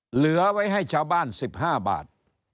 เหลือไว้ให้ชาวบ้าน๑๕บาท